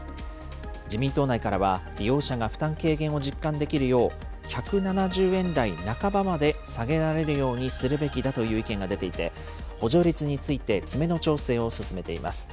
自民党内からは、利用者が負担軽減を実感できるよう、１７０円台半ばまで下げられるようにするべきだという意見が出ていて、補助率について詰めの調整を進めています。